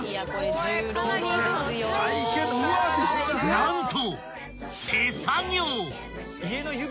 ［何と］